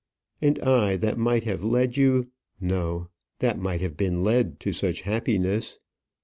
"And I, that might have led you no; that might have been led to such happiness!